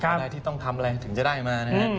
อะไรที่ต้องทำอะไรถึงจะได้มานะครับ